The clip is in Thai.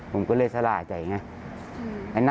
ผมก็เลยสลายใจไง